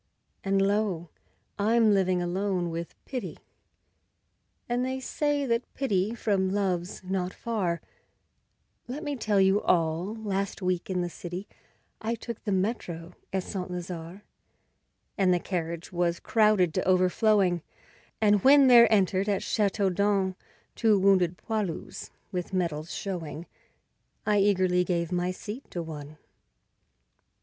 And lo! I'm living alone with 'Pity', And they say that pity from love's not far; Let me tell you all: last week in the city I took the metro at Saint Lazare; And the carriage was crowded to overflowing, And when there entered at Chateaudun Two wounded 'poilus' with medals showing, I eagerly gave my seat to one.